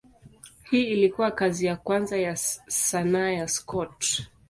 Hii ilikuwa kazi ya kwanza ya sanaa ya Scott.